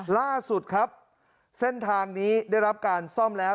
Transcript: ล่าสุดครับเส้นทางนี้ได้รับการซ่อมแล้ว